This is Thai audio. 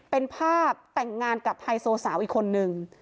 เป็นภาพแต่งงานกับไฮโซสาวอีกคนนึง